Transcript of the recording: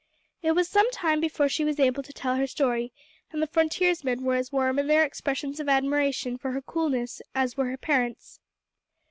It was some time before she was able to tell her story, and the frontiersmen were as warm in their expressions of admiration for her coolness as were her parents.